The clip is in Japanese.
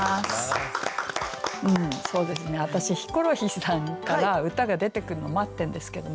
そうですね私ヒコロヒーさんから歌が出てくるの待ってるんですけどまだですか？